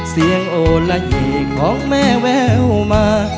เสียงโอละหี่ของแม่แววมา